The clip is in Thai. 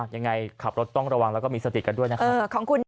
ยังไงขับรถต้องระวังแล้วก็มีสติกันด้วยนะครับ